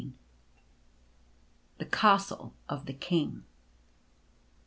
\ THE CASTLE OF THE KING.